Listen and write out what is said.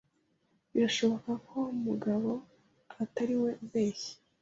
Birashoboka ko mugabo atariwe ubeshya.